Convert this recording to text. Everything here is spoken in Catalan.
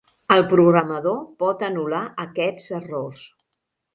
El programador pot anular aquests errors.